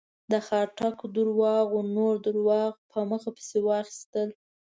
د خاټک درواغو نور درواغ په مخه پسې واخيستل.